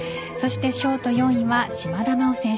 ショート４位は島田麻央選手。